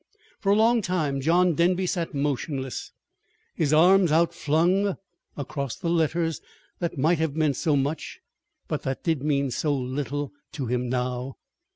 For a long time John Denby sat motionless, his arms outflung across the letters that might have meant so much, but that did mean so little, to him now.